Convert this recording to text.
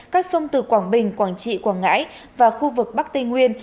các sông từ quảng bình quảng trị quảng ngãi và khu vực bắc tây nguyên